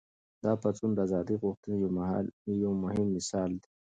دا پاڅون د ازادۍ غوښتنې یو مهم مثال دی.